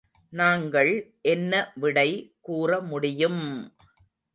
நாங்கள் என்ன விடை கூற முடியும்!